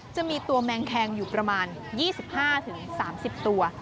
จะมีตัวแมงแคงอยู่ประมาณ๒๕๓๐ตัว